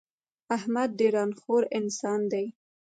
احمد ډېر ًران خور انسان دی.